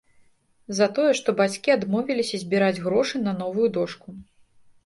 За тое, што бацькі адмовіліся збіраць грошы на новую дошку.